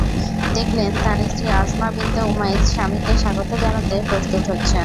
দেখলেন, তাঁর স্ত্রী আসমা বিনতে উমাইস স্বামীকে স্বাগত জানাতে প্রস্তুত হচ্ছেন।